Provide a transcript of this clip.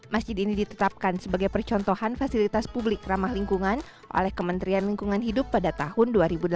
masjid ini ditetapkan sebagai percontohan fasilitas publik ramah lingkungan oleh kementerian lingkungan hidup pada tahun dua ribu delapan belas